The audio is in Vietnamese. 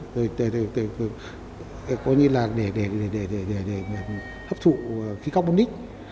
rồi có như là để hấp thụ khí carbonic